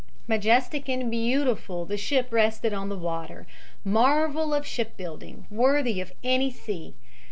Majestic and beautiful the ship rested on the water, marvel of shipbuilding, worthy of any sea.